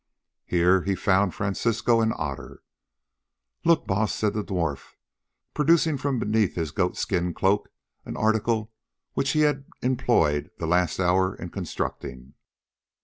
Here he found Francisco and Otter. "Look, Baas," said the dwarf, producing from beneath his goat skin cloak an article which he had employed the last hour in constructing.